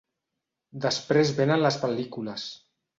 Després venen les pel·lícules.